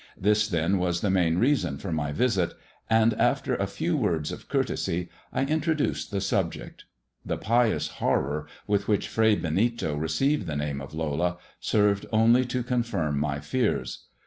This, then, was the main reason for my visit, and after a few words of courtesy I introduced the subject. The pious horror with which Fray Benito received the name of Lola served only to confirm my fears.